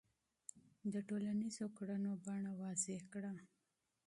د ټولنیزو کړنو بڼه تشریح کړه.